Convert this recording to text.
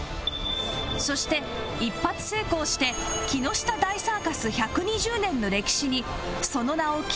そして一発成功して木下大サーカス１２０年の歴史にその名を刻む事になると